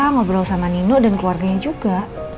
ngobrol sama nino dan keluarganya juga